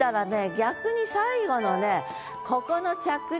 逆に最後のね